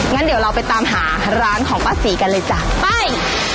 งั้นเดี๋ยวเราไปตามหาร้านของป้าศรีกันเลยจ้ะไป